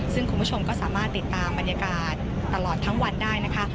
ซึ่งคุณผู้ชมก็สามารถติดตามบรรยากาศตลอดทั้งวันได้นะคะ